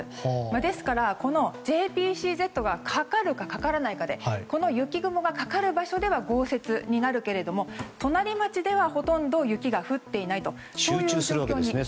ですから、ＪＰＣＺがかかるか、かからないかでこの雪雲がかかる場所では豪雪になるけれども隣町ではほとんど雪が降っていないと。